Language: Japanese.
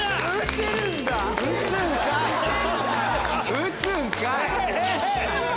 打つんかい！